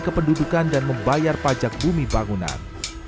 kependudukan dan membayar pajak bumi bangunan